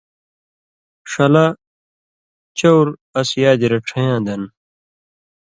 ݜلہ چور اَس یادی رَڇھَیں یاں دَن